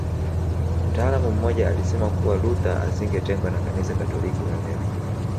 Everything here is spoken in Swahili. Mtaalamu mmoja alisema kuwa Luther asingetengwa na Kanisa Katoliki la leo